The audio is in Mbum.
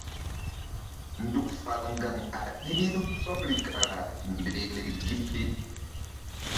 Nzuk fal ŋgaŋ a ɗih-u tɔbri kara mbehle gi pi.